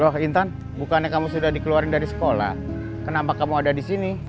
roh intan bukannya kamu sudah dikeluarin dari sekolah kenapa kamu ada di sini